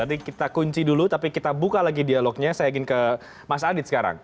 nanti kita kunci dulu tapi kita buka lagi dialognya saya ingin ke mas adit sekarang